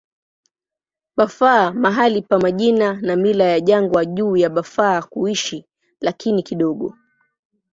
Bafur mahali pa majina na mila ya jangwa juu ya Bafur kuishi, lakini kidogo.